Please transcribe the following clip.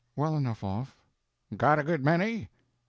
"Well enough off." "Got a good many?"